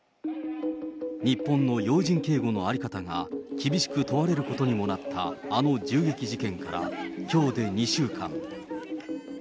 日本の要人警護の在り方が厳しく問われることにもなったあの銃撃事件からきょうで２週間。